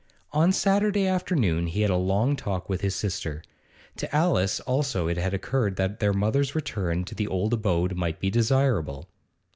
On Saturday afternoon he had a long talk with his sister. To Alice also it had occurred that their mother's return to the old abode might be desirable.